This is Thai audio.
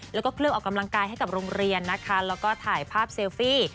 แล้วก็เครื่องออกกำลังกายให้กับโรงเรียนนะคะแล้วก็ถ่ายภาพเซลฟี่